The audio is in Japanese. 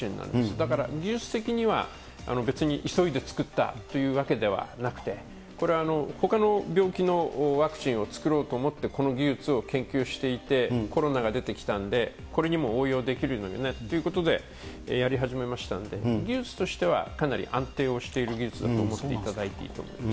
だから技術的には、別に急いで作ったというわけではなくて、これはほかの病気のワクチンを作ろうと思ってこの技術を研究していて、コロナが出てきたんで、これにも応用できるよねっていうことでやり始めましたんで、技術としてはかなり安定をしている技術だと思っていただいていいと思います。